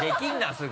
すぐ。